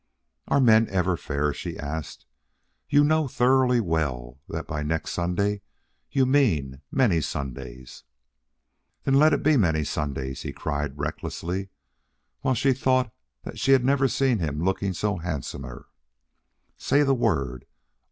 "Are men ever fair?" she asked. "You know thoroughly well that by 'next Sunday' you mean many Sundays." "Then let it be many Sundays," he cried recklessly, while she thought that she had never seen him looking handsomer. "Say the word.